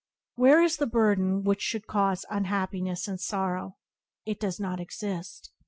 Where is the burden which should cause unhappiness or sorrow? It does not exist.